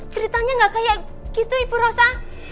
ceritanya nggak kayak gitu ibu rosa